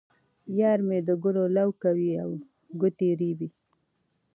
یار مې د ګلو لو کوي او ګوتې رېبي.